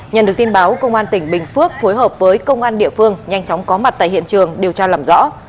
nhận được tin báo công an tỉnh bình phước phối hợp với công an địa phương nhanh chóng có mặt tại hiện trường điều tra làm rõ